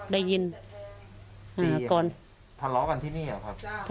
ได้ยินก่อนทะเลาะกันที่นี่เหรอครับ